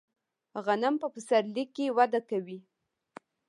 غنم په پسرلي کې وده کوي.